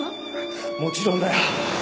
もちろんだよ。